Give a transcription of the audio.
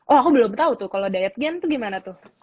oh aku belum tahu tuh kalau diet game tuh gimana tuh